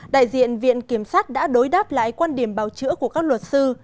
đại diện viện kiểm sát đã đối đáp lại quan điểm bào chữa của các luật sư